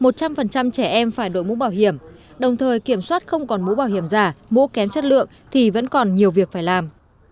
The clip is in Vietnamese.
một trăm linh trẻ em phải đội mũ bảo hiểm đồng thời kiểm soát không còn mũ bảo hiểm giả mũ kém chất lượng thì vẫn còn nhiều việc phải làm